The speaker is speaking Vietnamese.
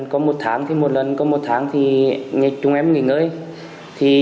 có một tháng thì một lần có một tháng thì nghe chúng em nghỉ ngơi